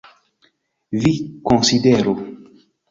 Vi konsideru!